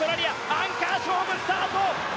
アンカー勝負、スタート！